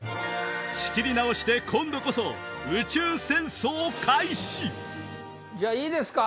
仕切り直しで今度こそ宇宙戦争開始いいですか？